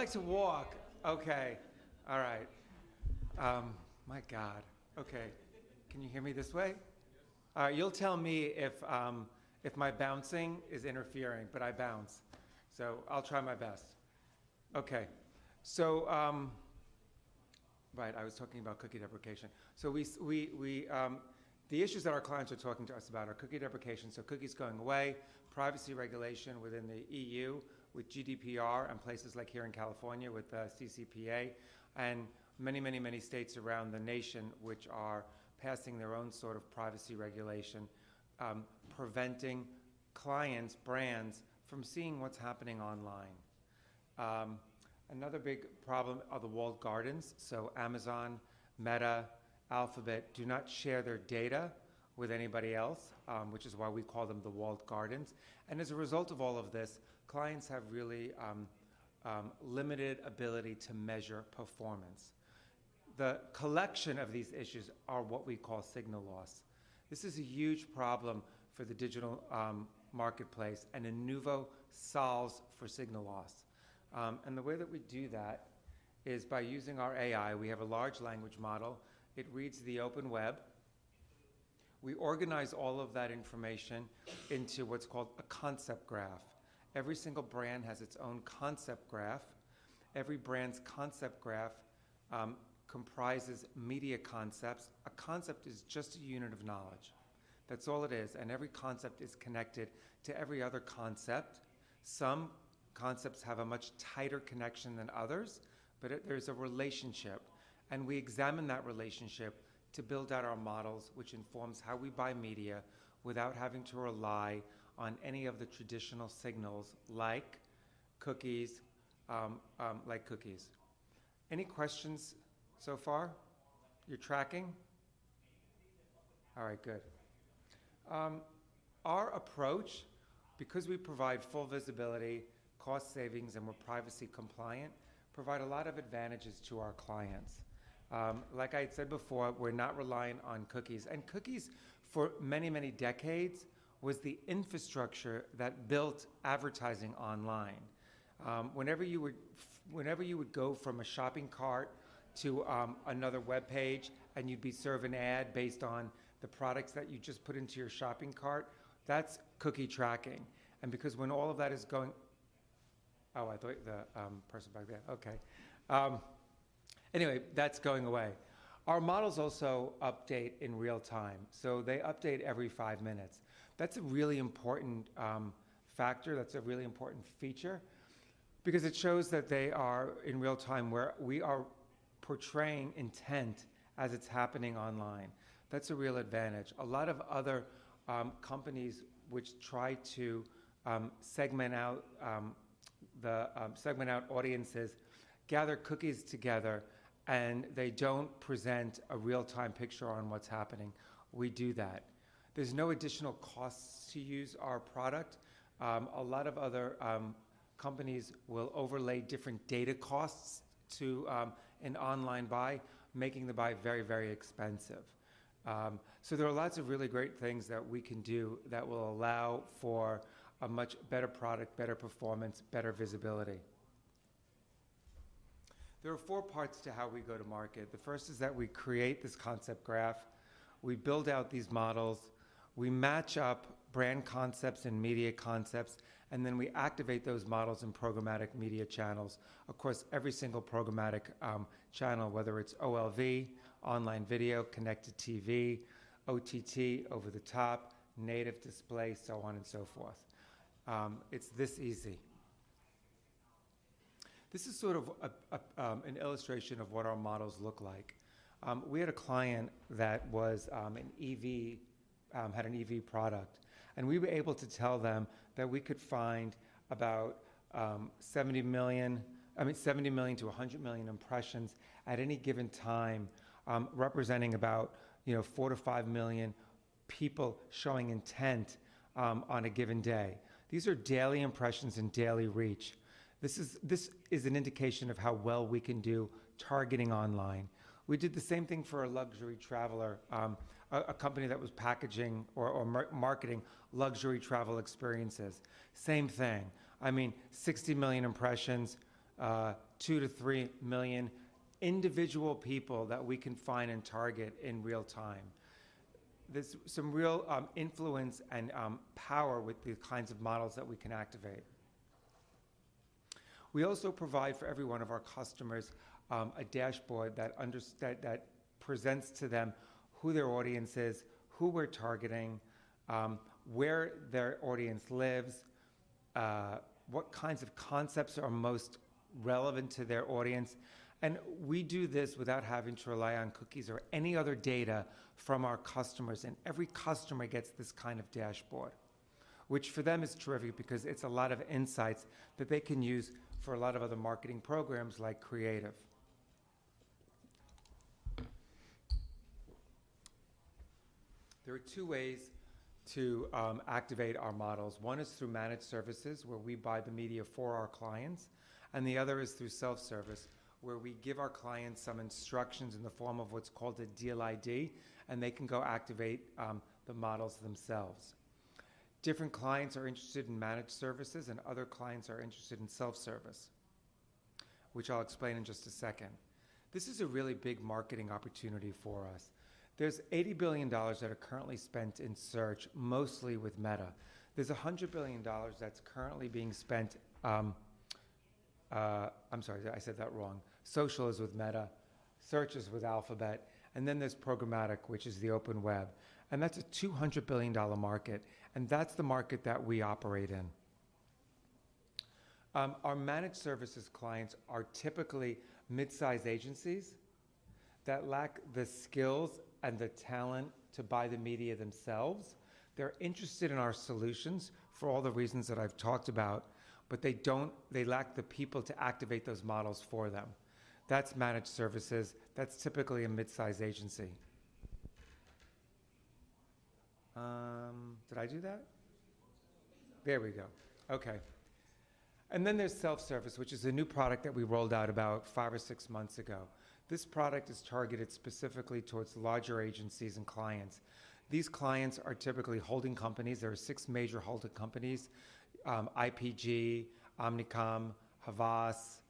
I like to walk. Okay. All right. My God. Okay. Can you hear me this way? Yes. All right. You'll tell me if my bouncing is interfering, but I bounce. So I'll try my best. Okay. Right. I was talking about cookie deprecation. So the issues that our clients are talking to us about are cookie deprecation, so cookies going away, privacy regulation within the EU with GDPR, and places like here in California with the CCPA, and many, many, many states around the nation which are passing their own sort of privacy regulation, preventing clients, brands, from seeing what's happening online. Another big problem are the walled gardens. So Amazon, Meta, Alphabet do not share their data with anybody else, which is why we call them the walled gardens. And as a result of all of this, clients have really limited ability to measure performance. The collection of these issues are what we call signal loss. This is a huge problem for the digital marketplace, and Inuvo solves for signal loss, and the way that we do that is by using our AI. We have a large language model. It reads the open web. We organize all of that information into what's called a concept graph. Every single brand has its own concept graph. Every brand's concept graph comprises media concepts. A concept is just a unit of knowledge. That's all it is, and every concept is connected to every other concept. Some concepts have a much tighter connection than others, but there's a relationship, and we examine that relationship to build out our models, which informs how we buy media without having to rely on any of the traditional signals like cookies. Any questions so far? You're tracking? All right. Good. Our approach, because we provide full visibility, cost savings, and we're privacy compliant, provides a lot of advantages to our clients. Like I had said before, we're not relying on cookies, and cookies, for many, many decades, was the infrastructure that built advertising online. Whenever you would go from a shopping cart to another web page and you'd be served an ad based on the products that you just put into your shopping cart, that's cookie tracking, and because all of that is going away. Our models also update in real time, so they update every five minutes. That's a really important factor. That's a really important feature because it shows that they are in real time, where we are portraying intent as it's happening online. That's a real advantage. A lot of other companies which try to segment out audiences gather cookies together, and they don't present a real-time picture on what's happening. We do that. There's no additional costs to use our product. A lot of other companies will overlay different data costs to an online buy, making the buy very, very expensive. So there are lots of really great things that we can do that will allow for a much better product, better performance, better visibility. There are four parts to how we go to market. The first is that we create this concept graph. We build out these models. We match up brand concepts and media concepts, and then we activate those models in programmatic media channels. Of course, every single programmatic channel, whether it's OLV, online video, connected TV, OTT, over the top, native display, so on and so forth. It's this easy. This is sort of an illustration of what our models look like. We had a client that had an EV product, and we were able to tell them that we could find about 70 million, I mean, 70-100 million impressions at any given time, representing about 4-5 million people showing intent on a given day. These are daily impressions and daily reach. This is an indication of how well we can do targeting online. We did the same thing for a luxury traveler, a company that was packaging or marketing luxury travel experiences. Same thing. I mean, 60 million impressions, 2-3 million individual people that we can find and target in real time. There's some real influence and power with the kinds of models that we can activate. We also provide for every one of our customers a dashboard that presents to them who their audience is, who we're targeting, where their audience lives, what kinds of concepts are most relevant to their audience, and we do this without having to rely on cookies or any other data from our customers, and every customer gets this kind of dashboard, which for them is terrific because it's a lot of insights that they can use for a lot of other marketing programs like creative. There are two ways to activate our models. One is through managed services, where we buy the media for our clients, and the other is through self-service, where we give our clients some instructions in the form of what's called a Deal ID, and they can go activate the models themselves. Different clients are interested in managed services, and other clients are interested in self-service, which I'll explain in just a second. This is a really big marketing opportunity for us. There's $80 billion that are currently spent in Search, mostly with Meta. There's $100 billion that's currently being spent. I'm sorry, I said that wrong. Social is with Meta. Search is with Alphabet. And then there's programmatic, which is the open web. And that's a $200 billion market. And that's the market that we operate in. Our managed services clients are typically mid-size agencies that lack the skills and the talent to buy the media themselves. They're interested in our solutions for all the reasons that I've talked about, but they lack the people to activate those models for them. That's managed services. That's typically a mid-size agency. Did I do that? There we go. Okay. And then there's self-service, which is a new product that we rolled out about five or six months ago. This product is targeted specifically towards larger agencies and clients. These clients are typically holding companies. There are six major holding companies: IPG, Omnicom, Havas,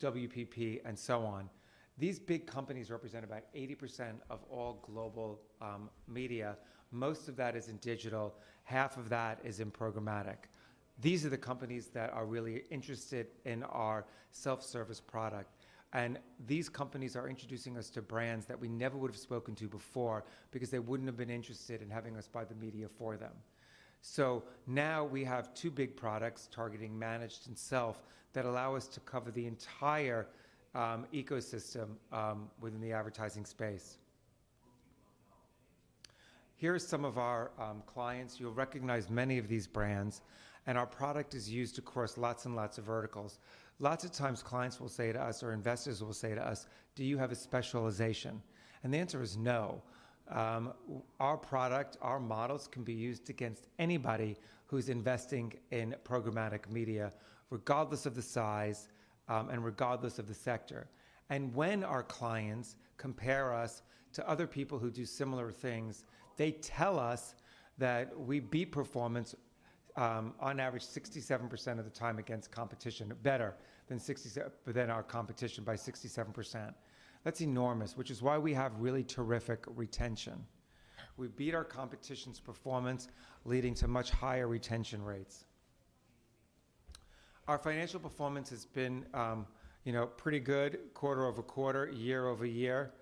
WPP, and so on. These big companies represent about 80% of all global media. Most of that is in digital. Half of that is in programmatic. These are the companies that are really interested in our self-service product. And these companies are introducing us to brands that we never would have spoken to before because they wouldn't have been interested in having us buy the media for them. So now we have two big products targeting managed and self that allow us to cover the entire ecosystem within the advertising space. Here are some of our clients. You'll recognize many of these brands. Our product is used across lots and lots of verticals. Lots of times, clients will say to us or investors will say to us, "Do you have a specialization?" The answer is no. Our product, our models can be used against anybody who's investing in programmatic media, regardless of the size and regardless of the sector. When our clients compare us to other people who do similar things, they tell us that we beat performance on average 67% of the time against competition, better than our competition by 67%. That's enormous, which is why we have really terrific retention. We beat our competition's performance, leading to much higher retention rates. Our financial performance has been pretty good, quarter over quarter, year-over-year.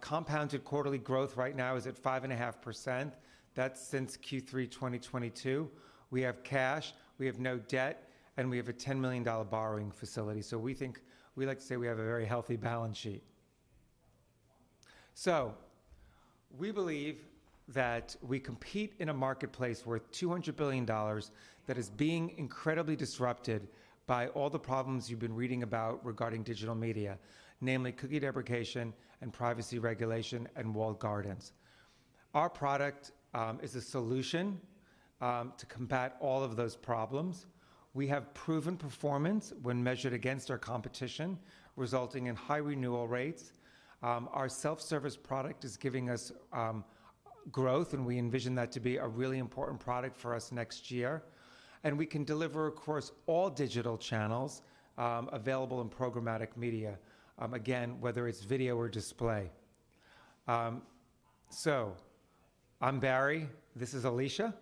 Compounded quarterly growth right now is at 5.5%. That's since Q3 2022. We have cash. We have no debt. And we have a $10 million borrowing facility. So we like to say we have a very healthy balance sheet. So we believe that we compete in a marketplace worth $200 billion that is being incredibly disrupted by all the problems you've been reading about regarding digital media, namely cookie deprecation and privacy regulation and walled gardens. Our product is a solution to combat all of those problems. We have proven performance when measured against our competition, resulting in high renewal rates. Our self-service product is giving us growth, and we envision that to be a really important product for us next year. And we can deliver, of course, all digital channels available in programmatic media, again, whether it's video or display. So I'm Barry. This is Alicia.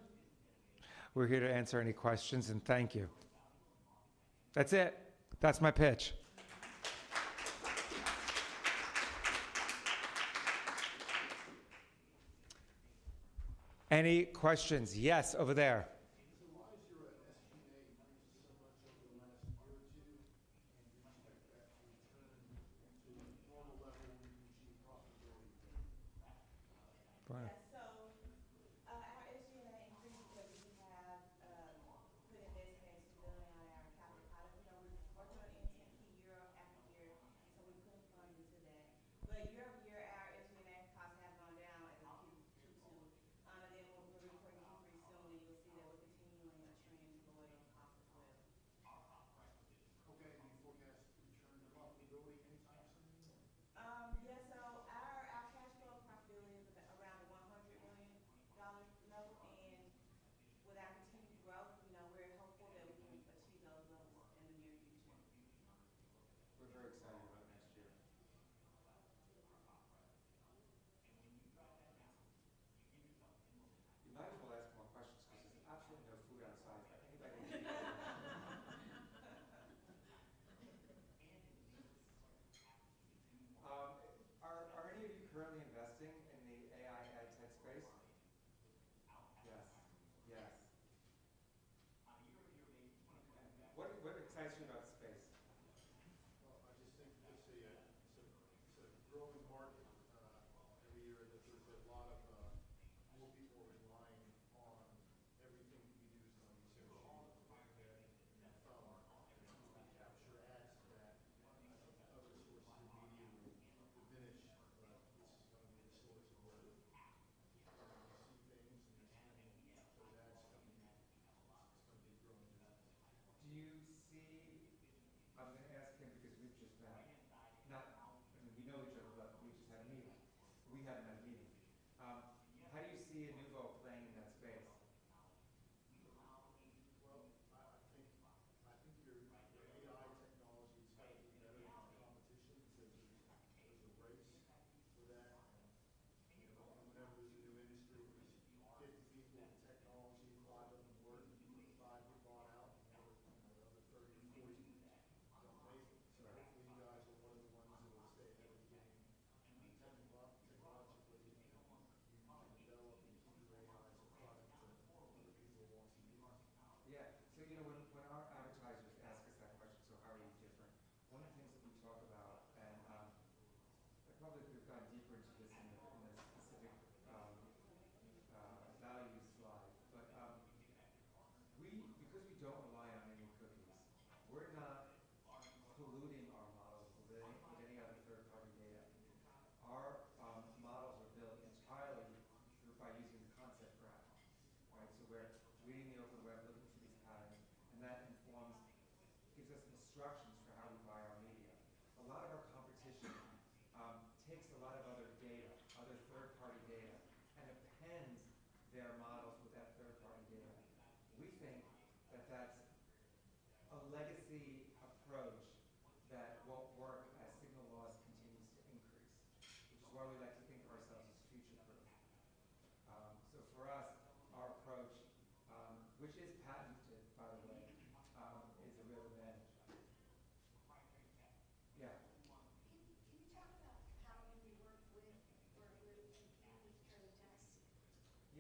We're here to answer any questions. And thank you. That's it. That's my pitch. Any questions? Yes, over there.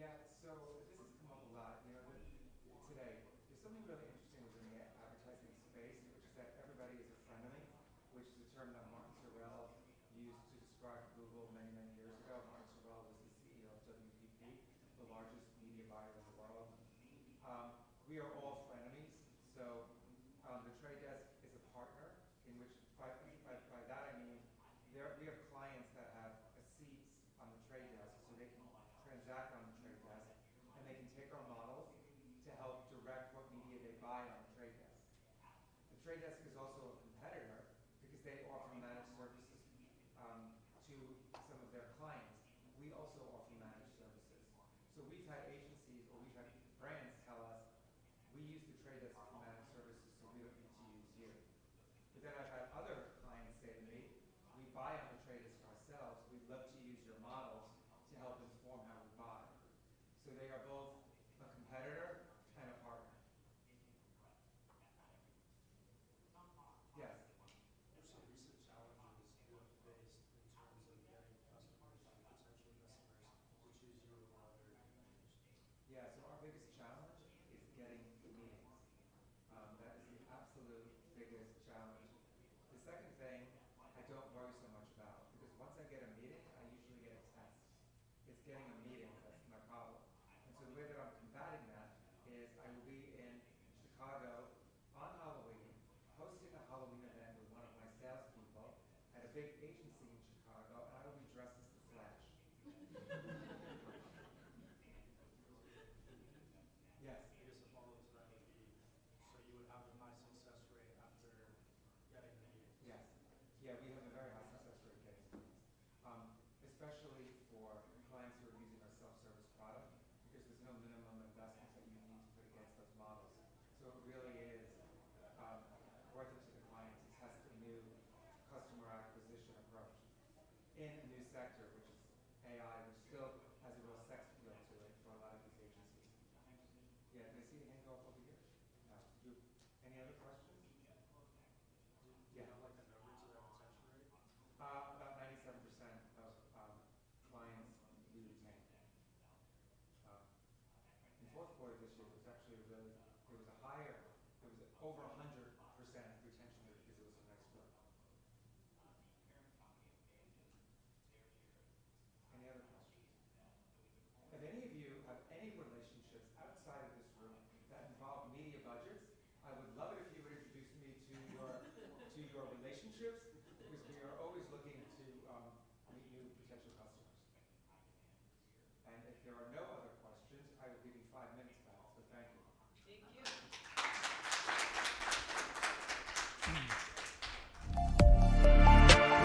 Yeah. So our SG&A increased because we have put investments in stability on our